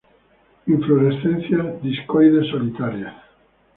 Inflorescencias discoides, solitarias.